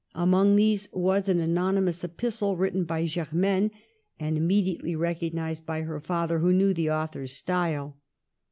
Among these was an anonymous epistle, written by Germaine, and immediately recognized by her father, who knew the author's style.